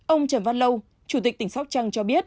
ông trần văn lâu chủ tịch tỉnh sóc trăng cho biết